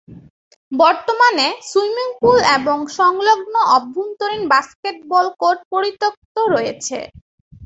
বর্তমানে, swimming pool এবং সংলগ্ন আভ্যন্তরীণ বাস্কেটবল কোর্ট পরিত্যক্ত রয়েছে।